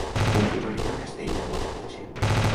Com puc arribar a Castellnou amb cotxe?